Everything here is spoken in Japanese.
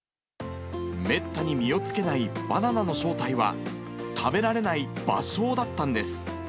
めったに実をつけないバナナの正体は、食べられないバショウだったんです。